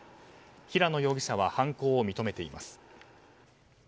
平野容疑者は犯行を認めています。